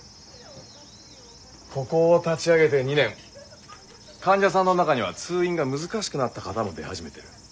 ここを立ち上げて２年患者さんの中には通院が難しくなった方も出始めてる。